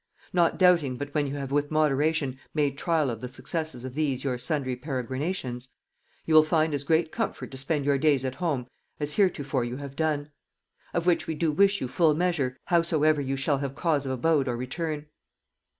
Not doubting but when you have with moderation made trial of the successes of these your sundry peregrinations, you will find as great comfort to spend your days at home as heretofore you have done; of which we do wish you full measure, howsoever you shall have cause of abode or return.